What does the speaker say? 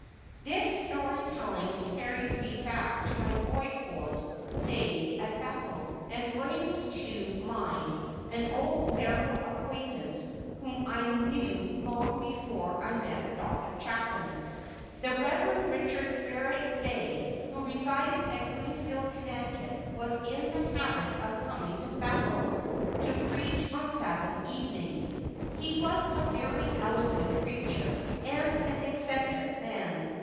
This story telling carries me back to my boyhood days at Bethel, and brings to mind an old clerical acquaintance whom I knew long before I met Dr. Chapin. The Rev. Richard Varick Dey, who resided at Greenfield, Connecticut, was in the habit of coming to Bethel to preach on Sabbath evenings. He was a very eloquent preacher, and an eccentric man.